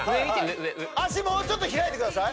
脚もうちょっと開いてください。